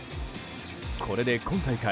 これで今大会